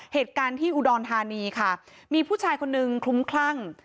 เหตุการณ์ที่อุดรธานีค่ะมีผู้ชายคนนึงคลุ้มคลั่ง